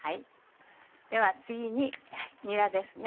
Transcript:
では次ににらですね。